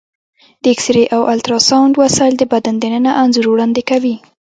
د ایکسرې او الټراساونډ وسایل د بدن دننه انځور وړاندې کوي.